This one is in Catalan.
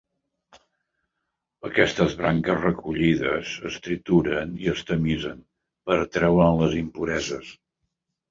Aquestes branques recollides es trituren i es tamisen per treure'n les impureses.